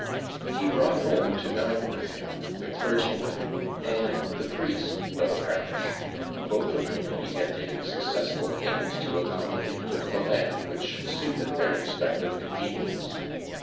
He brought home to dine with him the clergyman and the priest of the parish, both of whom he had taken successful pains to accommodate with the land which suited their respective convenience.